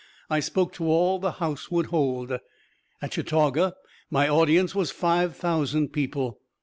I spoke to all the house would hold; at Chautauqua, my audience was five thousand people.